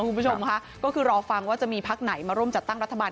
คุณผู้ชมค่ะก็คือรอฟังว่าจะมีพักไหนมาร่วมจัดตั้งรัฐบาล